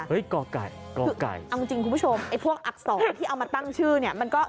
เอ้ยกไก่กไก่เอาจริงคุณผู้ชมไอพวกอักษรที่เอามาตั้งชื่อเนี่ย